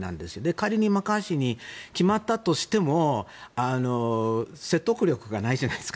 仮にマッカーシーに決まったとしても説得力がないじゃないですか。